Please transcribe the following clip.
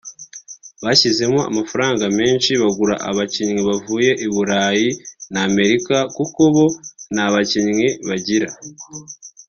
Bashyizemo amafaranga menshi bagura abakinnyi bavuye i Bulayi na Amerika kuko bo nta bakinnyi bagira